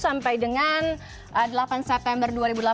sampai dengan delapan september dua ribu delapan belas